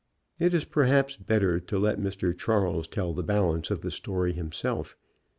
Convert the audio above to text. It is perhaps better to let Mr. Charles tell the balance of the story himself.